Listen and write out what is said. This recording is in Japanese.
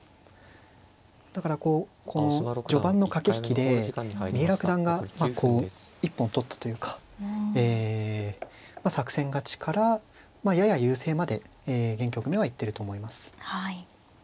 だからこうこの序盤の駆け引きで三浦九段がまあこう一本取ったというかえ作戦勝ちからやや優勢まで現局面は行ってると思います。